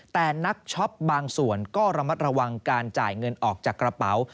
แต่นักช็อปบางส่วนก็ระมัดระวังการจ่ายเงินออกจากกระเป๋า